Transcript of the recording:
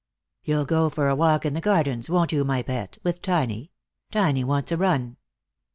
" You'll go for a walk in the Gardens, won't you, my pet, with Tiny ? Tiny wants a run."